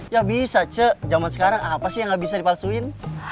ya bisa cek zaman sekarang apa sih yang gak bisa dipalsuin